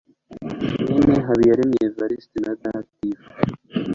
mwene habiyaremye evariste na dativa